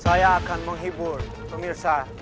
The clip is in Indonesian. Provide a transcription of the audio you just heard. saya akan menghibur pemirsa